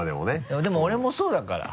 でも俺もそうだから。